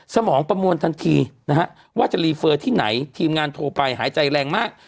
สมองประมวลทันทีนะฮะว่าจะรีเฟอร์ที่ไหนทีมงานโทรไปหายใจแรงมาก